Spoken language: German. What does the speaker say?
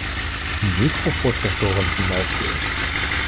Mikroprozessoren zum Beispiel.